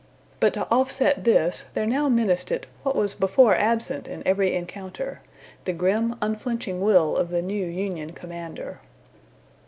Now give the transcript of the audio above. But to offset this there now menaced it what was before absent in every encounter, the grim, unflinching will of the new Union commander.